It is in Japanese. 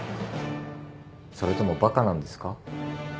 それともバカなんですか？